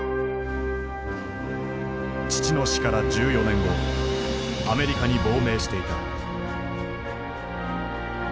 父の死から１４年後アメリカに亡命していた。